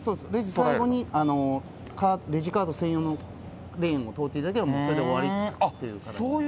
最後にレジカート専用のレーンを通っていただければ、それで終わあっ、そういう。